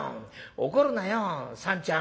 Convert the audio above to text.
怒るなよ三ちゃん」。